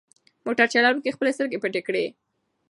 موټر چلونکي خپلې سترګې پټې کړې.